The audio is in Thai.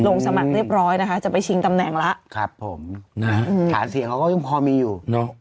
สมัครเรียบร้อยนะคะจะไปชิงตำแหน่งละครับผมนะฮะฐานเสียงเขาก็ยังพอมีอยู่เนอะ